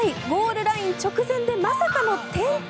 ゴールライン直前でまさかの転倒。